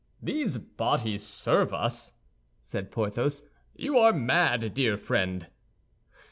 "These bodies serve us?" said Porthos. "You are mad, dear friend."